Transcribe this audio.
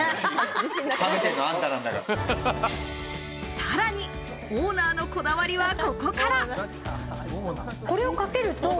さらに、オーナーのこだわりは、ここから。